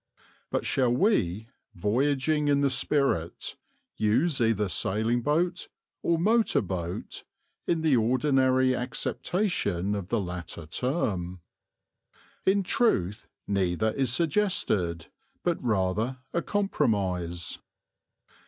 But shall we, voyaging in the spirit, use either sailing boat or motor boat, in the ordinary acceptation of the latter term. In truth, neither is suggested, but rather a compromise.